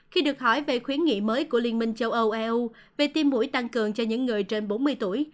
khi được hỏi về khuyến nghị mới của liên minh châu âu eu về tim mũi tăng cường cho những người trên bốn mươi tuổi